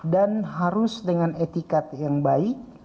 dan harus dengan etikat yang baik